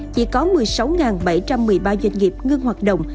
chỉ có một mươi sáu bảy trăm một mươi ba doanh nghiệp ngưng hoạt động